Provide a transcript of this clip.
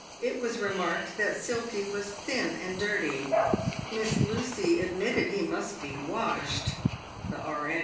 It was remarked that Silky was thin and dirty. Miss Lucy admitted he must be washed. The E.N.